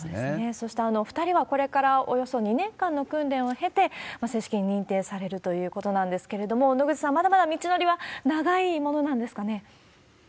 そして２人はこれから、およそ２年間の訓練を経て、正式に認定されるということなんですけれども、野口さん、まだまだ道のりは長いものなんですかね？